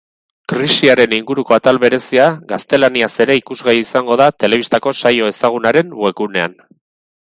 Krisiaren inguruko atal berezia gaztelaniaz ere ikusgai izango da telebistako saio ezagunaren webgunean.